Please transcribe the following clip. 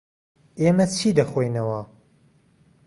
ئێمە چی دەخۆینەوە؟